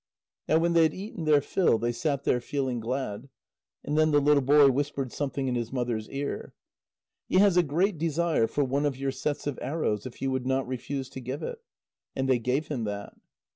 Now when they had eaten their fill, they sat there feeling glad. And then the little boy whispered something in his mother's ear. "He has a great desire for one of your sets of arrows, if you would not refuse to give it." And they gave him that.